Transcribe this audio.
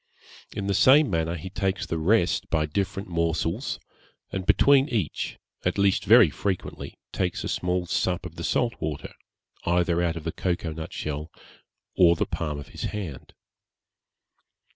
In the same manner he takes the rest by different morsels, and between each, at least very frequently, takes a small sup of the salt water, either out of the cocoa nut shell, or the palm of his hand.